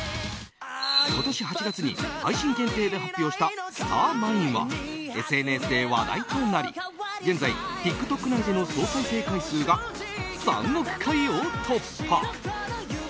今年８月に配信限定で発表した「スターマイン」がＳＮＳで話題となり現在、ＴｉｋＴｏｋ内での総再生回数が３億回を突破。